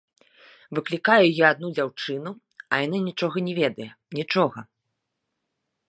Выклікаю я адну дзяўчыну, а яна нічога не ведае, нічога.